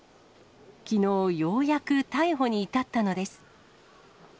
きのう、ようやく逮捕に至ったのです。